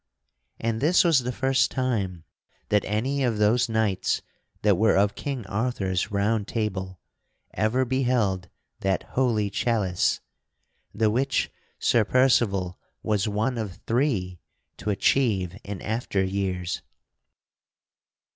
And this was the first time that any of those knights that were of King Arthur's Round Table ever beheld that holy chalice, the which Sir Percival was one of three to achieve in after years.